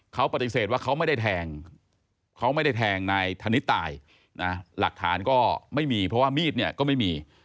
เขาปฏิเสธว่าเขาไม่ได้แทงในธนิตตายหลักฐานก็ไม่มีเพราะว่ามีดก็ไม่มี